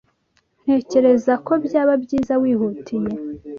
Ntekereza ko byaba byiza wihutiye.